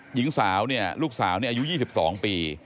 หญิงสาวเนี่ยลูกสาวอายุ๒๒ปี